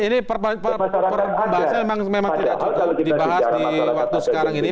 ini pembahasan memang tidak cukup dibahas di waktu sekarang ini